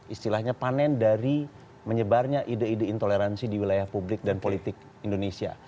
istilahnya panen dari menyebarnya ide ide intoleransi di wilayah publik dan politik indonesia